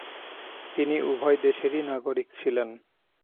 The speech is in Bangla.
তিনি উভয় দেশেরই নাগরিক ছিলেন।